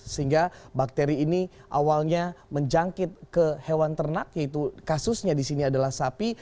sehingga bakteri ini awalnya menjangkit ke hewan ternak yaitu kasusnya di sini adalah sapi